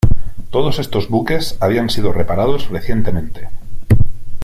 Todos estos buques habían sido reparados recientemente.